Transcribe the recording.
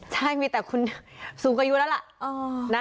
ใช่มีแต่คุณสูงอายุแล้วล่ะ